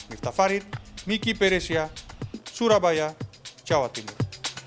miftah farid miki peresia surabaya jawa timur